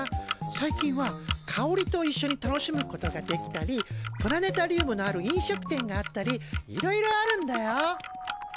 最近は香りといっしょに楽しむことができたりプラネタリウムのある飲食店があったりいろいろあるんだよ。